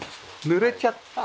ぬれちゃった。